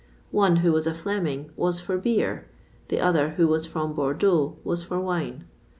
One, who was a Fleming, was for beer; the other, who was from Bordeaux, was for wine.